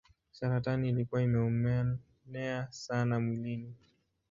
Saratani ilikuwa imemuenea sana mwilini.